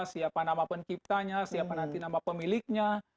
siapa nama penciptanya siapa nanti nama pemiliknya